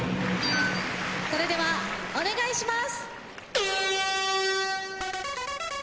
それではお願いします。